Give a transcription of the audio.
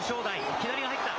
左が入った。